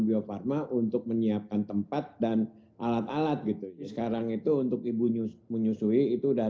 bio farma untuk menyiapkan tempat dan alat alat gitu sekarang itu untuk ibu menyusui itu udah